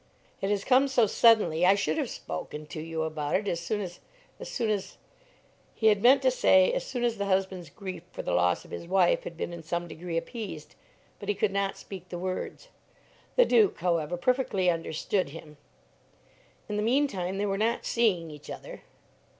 "It has come so suddenly. I should have spoken to you about it as soon as as soon as " He had meant to say as soon as the husband's grief for the loss of his wife had been in some degree appeased, but he could not speak the words. The Duke, however, perfectly understood him. "In the meantime, they were not seeing each other."